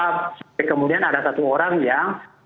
sampai kemudian ada satu orang yang